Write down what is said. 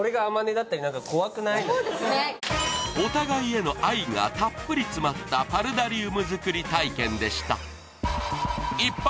お互いへの愛がたっぷり詰まったパルダリウム作り体験でした一方